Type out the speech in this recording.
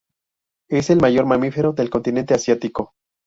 Es el mayor mamífero del continente asiático.